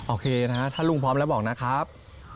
โอเคนะฮะถ้าลุงพร้อมแล้วบอกนะครับ